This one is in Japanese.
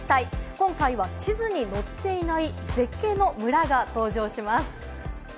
今回は地図に載っていない絶景の村が登場します。